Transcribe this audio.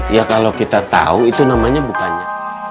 ya kalau kita tahu itu namanya bukannya